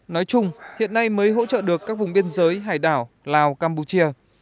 nói chung hiện nay mới hỗ trợ được các vùng biên giới hải đảo lào campuchia